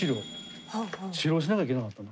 治療しなきゃいけなかったの。